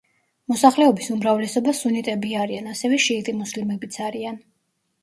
მოსახლეობის უმრავლესობა სუნიტები არიან, ასევე შიიტი მუსლიმებიც არიან.